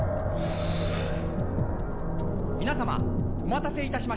「皆さまお待たせいたしました」